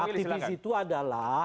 aktivis itu adalah